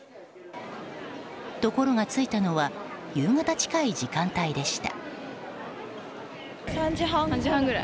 ところが着いたのは夕方近い時間帯でした。